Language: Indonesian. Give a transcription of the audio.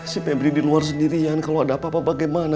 si pembeli di luar sendirian kalau ada apa apa bagaimana